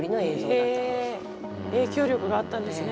影響力があったんですね